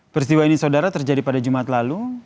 peristiwa ini saudara terjadi pada jumat lalu